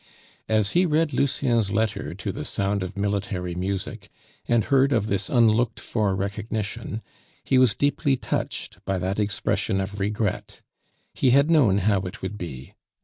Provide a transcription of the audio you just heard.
As he read Lucien's letter to the sound of military music, and heard of this unlooked for recognition, he was deeply touched by that expression of regret. He had known how it would be.